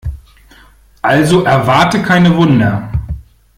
Also erwarte keine Wunder.